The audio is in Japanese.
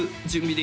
で